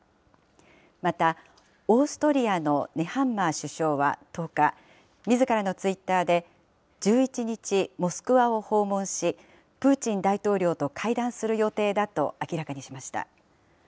また、オーストリアのネハンマー首相は１０日、みずからのツイッターで、１１日、モスクワを訪問し、プーチン大統領と会談する予定だと明らかにしました。